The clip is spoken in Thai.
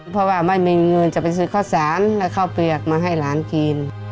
เพราะว่าไม่มีเงินจะไปซื้อข้าวสารและข้าวเปลือกมาให้หลานกิน